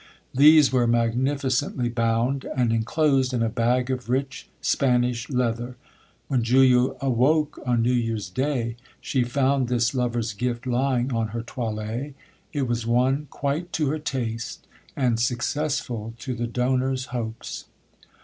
These were magnificently bound, and enclosed in a bag of rich Spanish leather. When Julia awoke on new year's day, she found this lover's gift lying on her toilet; it was one quite to her taste, and successful to the donor's hopes.